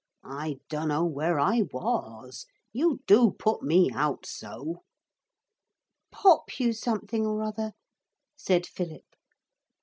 'I dunno where I was. You do put me out so.' 'Pop you something or other,' said Philip.